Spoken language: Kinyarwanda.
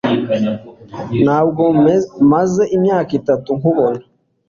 Ntabwo maze imyaka itatu nkubona